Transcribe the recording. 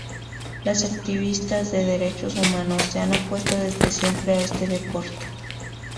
Los activistas de derechos humanos se han opuesto desde siempre a este deporte.